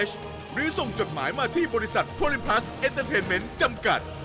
หรือส่งจดหมายมาที่บริษัทโพลิมพลัสเอ็นเตอร์เทนเมนต์จำกัด